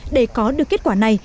để có được kết quả này